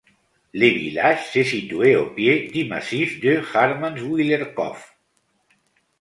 Le village se situe au pied du massif du Hartmannswillerkopf.